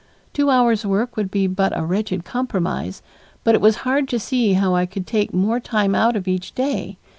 Two hours' work would be but a wretched compromise, but it was hard to see how I could take more time out of each day.